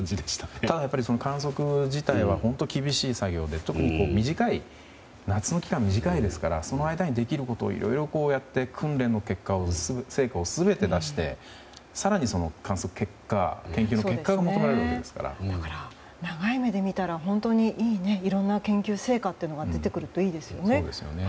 ただ、観測自体は本当に厳しい作業で特に夏の期間は短いですからその間にできることをいろいろやって訓練の結果を全て出して更にその観測結果、研究の結果が長い目で見たらいろいろないい研究成果が出てくるといいですよね。